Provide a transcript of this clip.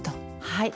はい。